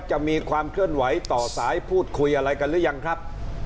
จะมีความเคลื่อนไหวต่อสายพูดคุยอะไรกันหรือยังครับ